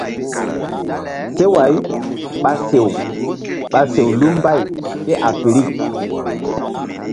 Seway ɓa sew ɓa sew lu mbay kéafirik.